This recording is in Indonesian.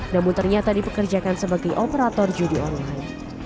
namun ternyata dipekerjakan sebagai operator judi online